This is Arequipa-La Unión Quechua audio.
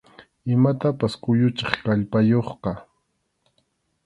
Imatapas kuyuchiq kallpayuqqa.